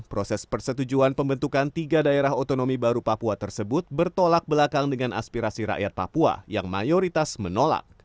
proses persetujuan pembentukan tiga daerah otonomi baru papua tersebut bertolak belakang dengan aspirasi rakyat papua yang mayoritas menolak